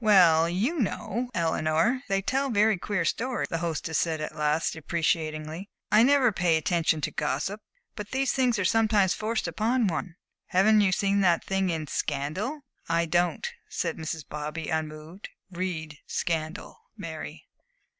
"Well, you know, Eleanor, they tell very queer stories," the hostess said at last, deprecatingly. "I never pay any attention to gossip, but these things are sometimes forced upon one. Haven't you seen that thing in Scandal?" "I don't," said Mrs. Bobby, unmoved, "read 'Scandal,' Mary."